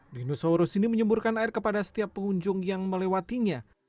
dinosaurus ini menyemburkan air kepada setiap pengunjung yang melewatinya